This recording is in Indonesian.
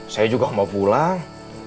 saya juga mau pulang